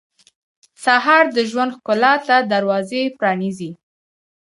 سهار د ژوند ښکلا ته دروازه پرانیزي.